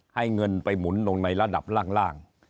เงินไปหมุนลงในระดับล่าง